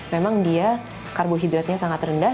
memang dia karbohidratnya sangat rendah